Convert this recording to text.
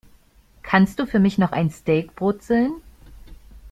Kannst du für mich noch ein Steak brutzeln?